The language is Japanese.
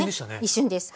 一瞬です。